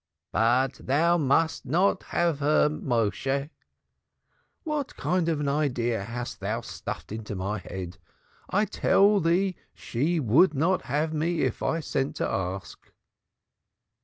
But thou must not have her, Méshe." "What kind of idea thou stuffest into my head! I tell thee she would not have me if I sent to ask."